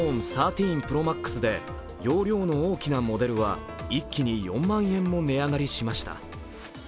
ＰｒｏＭａｘで容量の大きなモデルは一気に４万円も値上がりしました。